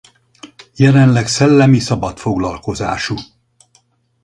Jelenleg szellemi szabadfoglalkozású.